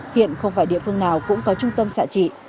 hiện không phải địa phương nào cũng có trung tâm xã trị